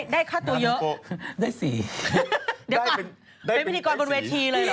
ได้สี